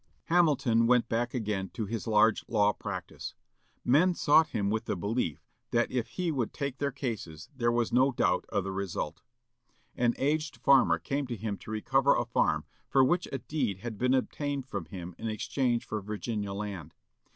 Hamilton went back again to his large law practice. Men sought him with the belief that if he would take their cases, there was no doubt of the result. An aged farmer came to him to recover a farm for which a deed had been obtained from him in exchange for Virginia land.